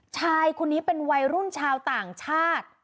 ชายคนนี้เป็นวัยรุ่นชาวต่างชาติ